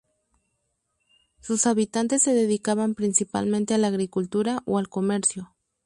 Sus habitantes se dedicaban principalmente a la agricultura o al comercio.